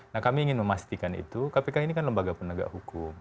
nah kami ingin memastikan itu kpk ini kan lembaga penegak hukum